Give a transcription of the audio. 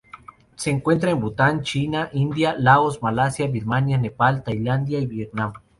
Se encuentra en Bután, China, India, Laos, Malasia, Birmania, Nepal, Tailandia y Vietnam.